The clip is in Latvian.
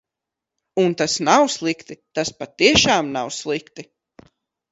Un tas nav slikti, tas patiešām nav slikti.